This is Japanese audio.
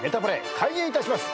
開演いたします。